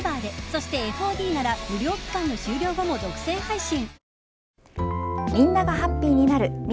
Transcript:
［そしてＦＯＤなら無料期間の終了後も独占配信］